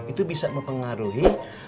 itu bisa mempengaruhi